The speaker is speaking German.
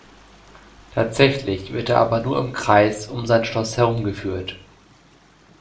Tatsächlich wird er aber nur im Kreis um sein Schloss herumgeführt.